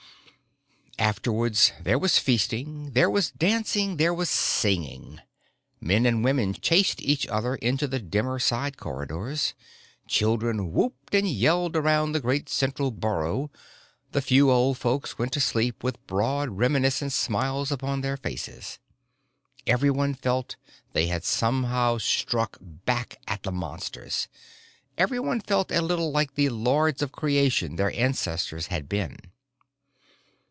_" Afterwards, there was feasting, there was dancing, there was singing. Men and women chased each other into the dimmer side corridors; children whooped and yelled around the great central burrow; the few old folks went to sleep with broad, reminiscent smiles upon their faces. Everyone felt they had somehow struck back at the Monsters. Everyone felt a little like the lords of creation their ancestors had been.